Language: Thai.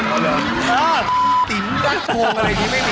อ้าวติ๋นรักพงษ์อะไรอย่างนี้ไม่มี